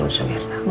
gak usah mirna